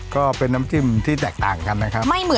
ก็เป็นน้ำจิ้มที่แตกต่างกันนะครับ